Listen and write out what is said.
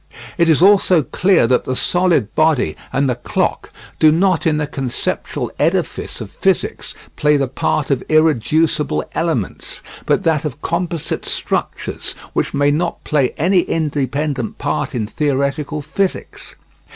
It is also clear that the solid body and the clock do not in the conceptual edifice of physics play the part of irreducible elements, but that of composite structures, which may not play any independent part in theoretical physics.